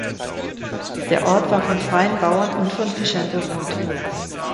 Der Ort war von freien Bauern und von Fischern bewohnt.